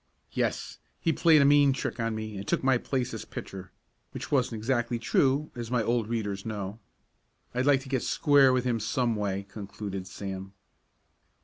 "Yes, he played a mean trick on me, and took my place as pitcher," which wasn't exactly true, as my old readers know. "I'd like to get square with him some way," concluded Sam.